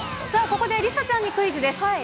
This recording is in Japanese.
さあここで梨紗ちゃんにクイズです。